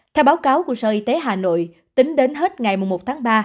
theo báo cáo của sở y tế hà nội tính đến hết ngày một tháng ba